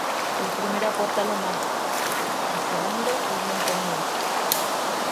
El primero aporta los maestros; el segundo, el mantenimiento.